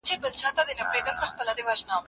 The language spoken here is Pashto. کله چي تاسو ته لور له خپل خاوند څخه په شکايت راغله.